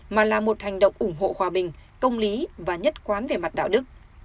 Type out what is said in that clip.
mà là một hành động ủng hộ hòa bình công lý và nhất quán về mặt đạo đức